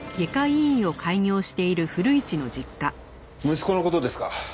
息子の事ですか？